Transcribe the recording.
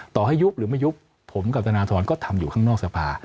ต่อให้ยุบหรือไม่ยุบผมกับธนทรก็ทำอยู่ข้างนอกสภา